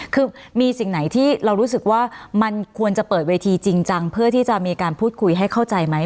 คือมีสิ่งไหนที่เรารู้สึกว่ามันควรจะเปิดเวทีจริงจังเพื่อที่จะมีการพูดคุยให้เข้าใจไหม